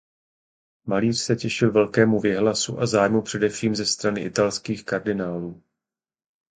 Malíř se těšil velkému věhlasu a zájmu především ze strany italských kardinálů.